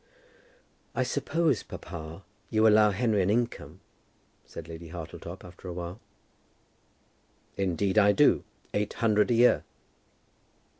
"I suppose, papa, you allow Henry an income," said Lady Hartletop, after a while. "Indeed I do, eight hundred a year."